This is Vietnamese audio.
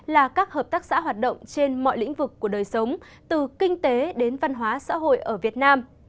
là các hợp tác xã hoạt động trên mọi lĩnh vực của đời sống từ kinh tế đến văn hóa xã hội ở việt nam